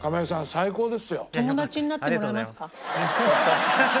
最高ですよ。